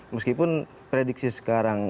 meskipun prediksi sekarang